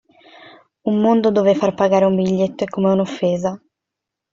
Un mondo dove far pagare un biglietto è come un'offesa.